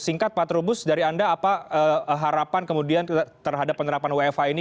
singkat pak trubus dari anda apa harapan kemudian terhadap penerapan wfh ini